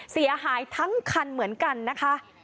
เสียหายทั้งคันเหมือนกันนะคะ